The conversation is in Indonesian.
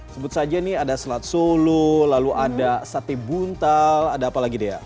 sebut saja nih ada selat solo lalu ada sate buntal ada apa lagi dea